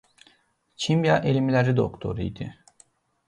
Kimya elmləri doktoru idi.